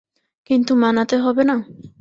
কিন্তু মানাতে হবে না?